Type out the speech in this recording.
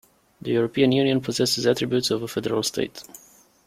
The European Union possesses attributes of a federal state.